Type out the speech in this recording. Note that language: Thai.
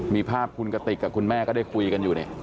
มีภาพคุณกติกกับคุณแม่ก็ได้คุยกันอยู่เนี่ย